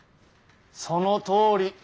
そのとおり。